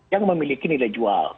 yang memiliki nilai jual